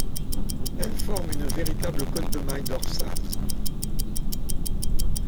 Elles forment une véritable cotte de mailles dorsale.